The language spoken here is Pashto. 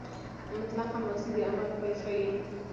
مطلقه ماضي د عمل پای ښيي.